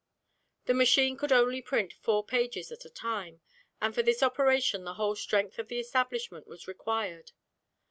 The machine could only print four pages at a time, and for this operation the whole strength of the establishment was required.